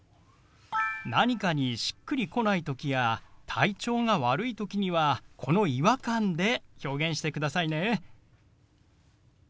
何かにしっくりこない時や体調が悪い時にはこの「違和感」で表現してくださいね。